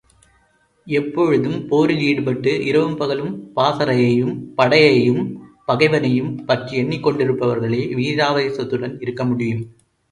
எப்போழுதும் போரில் ஈடுபட்டு, இரவும் பகலும் பாசறையையும் படையையும் பகைவனையும் பற்றி எண்ணிக்கொண்டிருப்பவர்களே வீராவேசத்துடன் இருக்க முடியும்.